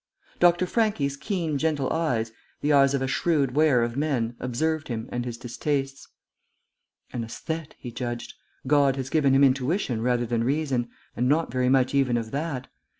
Dr. Franchi's keen, gentle eyes, the eyes of a shrewd weigher of men, observed him and his distastes. "An æsthete," he judged. "God has given him intuition rather than reason. And not very much even of that.